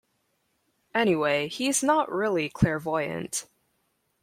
Anyway, he's not really clairvoyant.